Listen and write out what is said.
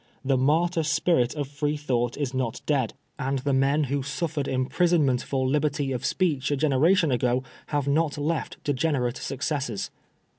The martyr spirit of Freethought is not dead, and the men 24 PEISONEE FOB BLASPHEMY. who sufEered imprisonment for liberty of speech a generation ago have not left degenerate successors.